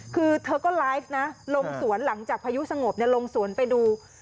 คือเธอก็ไลฟ์นะลงสวนหลังจากพายุสงบลงสวนไปดู